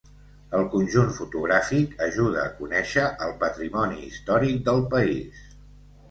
El conjunt fotogràfic ajuda a conèixer el patrimoni històric del país.